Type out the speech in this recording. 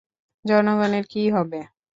জনগণের কী হবে?